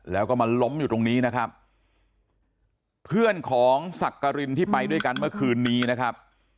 แล้วก็มาล้มอยู่ตรงนี้นะครับเพื่อนของสักกรินที่ไปด้วยกันเมื่อคืนนี้นะครับ